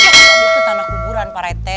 itu tanah kuburan pak rete